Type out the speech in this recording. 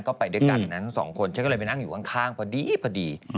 ก็ไปด้วยกันนั้นสองคนฉันก็เลยไปนั่งอยู่ข้างพอดีพอดี